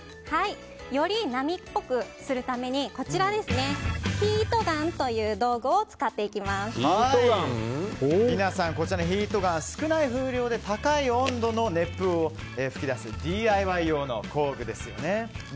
より波っぽくするためにヒートガンという皆さん、こちらのヒートガン少ない風量で高い温度の熱風を吹き出すＤＩＹ用の工具ですよね。